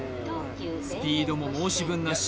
スピードも申し分なし